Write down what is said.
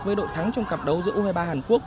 với đội thắng trong cặp đấu giữa u hai mươi ba hàn quốc